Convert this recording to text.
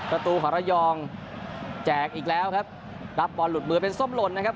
ประตูของระยองแจกอีกแล้วครับรับบอลหลุดมือเป็นส้มหล่นนะครับ